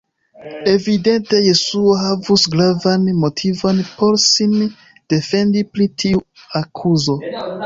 Evidente Jesuo havus gravan motivon por sin defendi pri tiu akuzo.